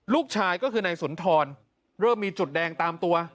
ลูกชายก็คือนายสุนทรเริ่มมีจุดแดงตามตัว